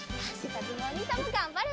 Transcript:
かずむおにいさんもがんばれ！